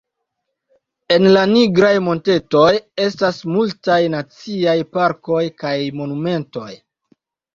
En la Nigraj Montetoj estas multaj naciaj parkoj kaj monumentoj.